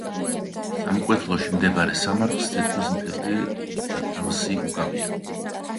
სამკვეთლოში მდებარე სამარხს თითქმის მთელი სათავსი უკავია.